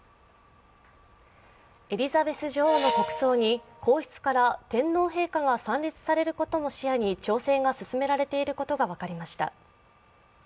エリザベス女王の国葬に皇室から天皇陛下が参列されることも視野に調整が進められていることが分かりました。